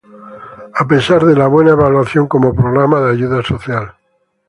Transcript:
A pesar de la buena evaluación como programa de ayuda social.